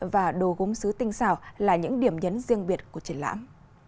và đồ gúng sứ tinh xảo là những điểm nhấn riêng biệt của triển lãm